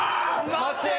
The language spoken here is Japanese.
待って！